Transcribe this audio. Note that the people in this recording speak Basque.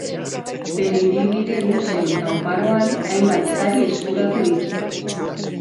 Bere ibilbide luze eta oparoan hainbat sari eskuratu ditu.